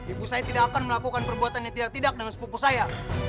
ibu saya tidak akan melakukan perbuatan yang tidak tidak dengan sepupu saya